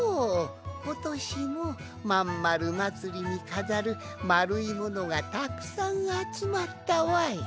ことしも「まんまるまつり」にかざるまるいものがたくさんあつまったわい。